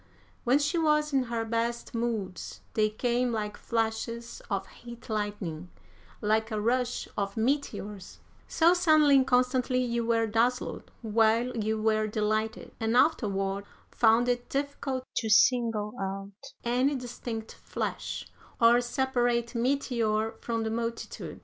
When she was in her best moods they came like flashes of heat lightning, like a rush of meteors, so suddenly and constantly you were dazzled while you were delighted, and afterward found it difficult to single out any distinct flash or separate meteor from the multitude....